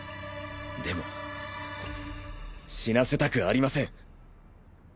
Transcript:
でも死なせたくありません。